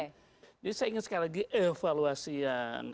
jadi saya ingin sekali lagi evaluasi yang